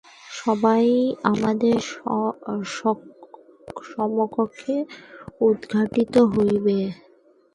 সবই আমাদের সমক্ষে উদ্ঘাটিত হইবে।